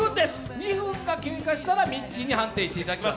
２分が経過したらミッチーに判定していただきます。